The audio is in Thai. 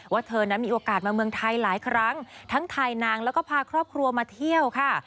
เธอนั้นมีโอกาสมาเมืองไทยหลายครั้งทั้งถ่ายนางแล้วก็พาครอบครัวมาเที่ยวค่ะ